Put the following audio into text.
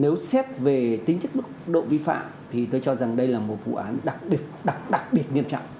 nếu xét về tính chất mức độ vi phạm thì tôi cho rằng đây là một vụ án đặc biệt đặc biệt nghiêm trọng